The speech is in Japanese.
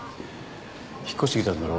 引っ越してきたんだろ？